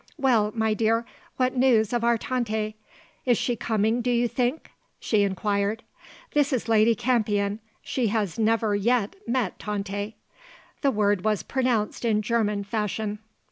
"Well, my dear, what news of our Tante? Is she coming, do you think?" she inquired. "This is Lady Campion; she has never yet met Tante." The word was pronounced in German fashion.